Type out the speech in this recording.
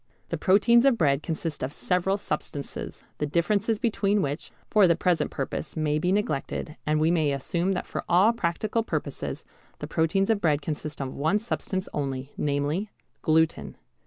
The proteins of bread consist of several substances, the differences between which, for the present purpose, may be neglected, and we may assume that for all practical purposes the proteins of bread consist of one substance only, namely gluten.